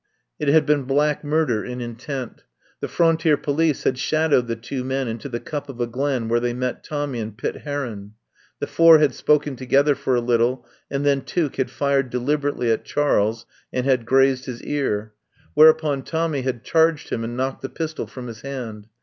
It had been black murder in intent. The frontier police had shadowed the two men into the cup of a glen where they met Tommy and Pitt Heron. The four had spoken to gether for a little, and then Tuke had fired deliberately at Charles and had grazed his ear. Whereupon Tommy had charged him and knocked the pistol from his hand.